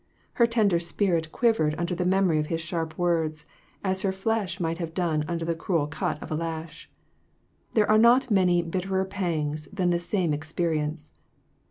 Her ten der spirit quivered under the memory of his sharp words, as her flesh might have done under the cruel cut of a lash. There are not many bitterer pangs than this same experience.